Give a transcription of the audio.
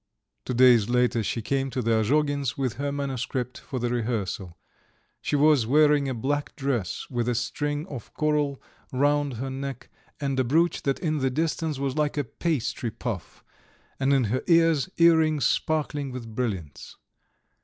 Two days later she came to the Azhogins' with her manuscript for the rehearsal. She was wearing a black dress with a string of coral round her neck, and a brooch that in the distance was like a pastry puff, and in her ears earrings sparkling with brilliants.